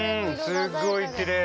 すごいきれい！